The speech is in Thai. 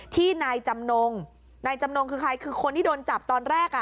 ที่นายจำนงนายจำนงคือใครคือคนที่โดนจับตอนแรกอ่ะ